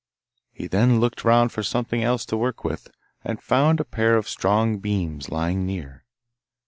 He then looked round for something else to work with, and found a pair of strong beams lying near.